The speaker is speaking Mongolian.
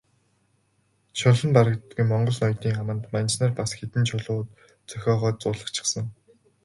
Шунал нь барагддаггүй монгол ноёдын аманд манж нар бас нэгэн чулуу зохиогоод зуулгачихсан.